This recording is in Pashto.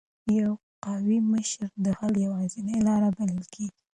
یو قوي مشر د حل یوازینۍ لار بلل کېږي.